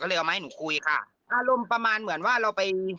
เลยเอามาให้หนูคุยค่ะอารมณ์ประมาณเหมือนว่าเราไป